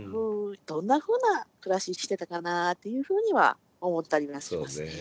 どんなふうな暮らししてたかなっていうふうには思ったりはしますね。